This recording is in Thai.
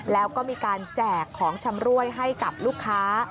แล้วก็มีการแจกของชำรวยให้กับลูกค้า